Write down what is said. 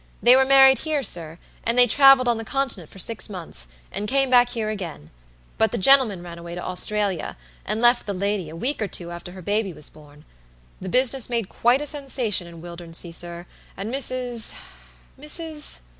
They were married here, sir, and they traveled on the Continent for six months, and came back here again. But the gentleman ran away to Australia, and left the lady, a week or two after her baby was born. The business made quite a sensation in Wildernsea, sir, and Mrs.Mrs.